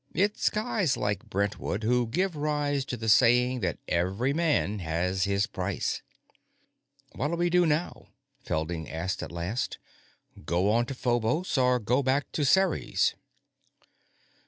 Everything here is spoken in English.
It's guys like Brentwood who gave rise to the saying that every man has his price. "What'll we do now?" Felding asked at last. "Go on to Phobos, or go back to Ceres?"